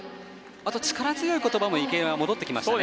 あと、力強い言葉も池江、戻ってきましたね。